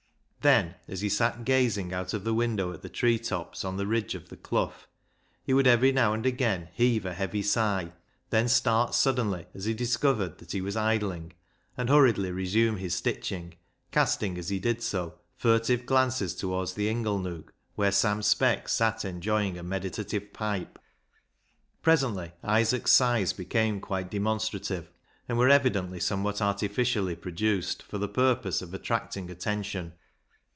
Then as he sat gazing out of the window at the tree tops on the ridge of the Clough, he would every now and again heave a heavy sigh, then start suddenly as he discovered that he was idling, and hurriedly resume his stitch ing, casting as he did so furtive glances towards the inglenook, where Sam Speck sat enjoying a meditative pipe. Presently Isaac's sighs became quite de monstrative, and were evidently somewhat artificially produced for the purpose of attracting attention.